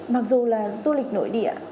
mặc dù là du lịch nổi địa